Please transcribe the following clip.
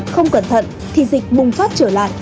không cẩn thận thì dịch bùng phát trở lại